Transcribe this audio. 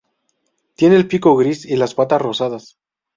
Tiene el pico gris y las patas rosadas.